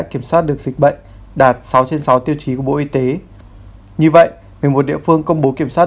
kiểm soát được dịch bệnh đạt sáu trên sáu tiêu chí của bộ y tế như vậy một mươi một địa phương công bố kiểm soát